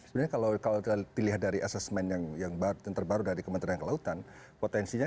sebenarnya kalau kita pilih dari asesmen yang terbaru dari kementerian kelautan potensinya